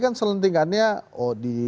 kan selentingannya oh di